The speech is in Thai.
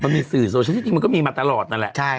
มันมีสื่อโซเช่นที่ทีมันก็มีมาตลอดนั่นแหละครับใช่